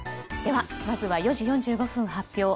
では、まずは４時４５分発表